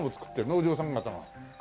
お嬢さん方が。